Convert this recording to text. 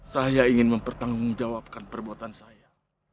saya ingin mempertanggungjawabkan perbuatan saya